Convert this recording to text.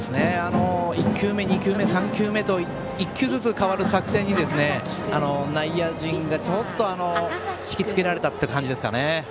１球目、２球目、３球目と１球ずつ変わる作戦に内野陣がちょっと引き付けられた感じですかね。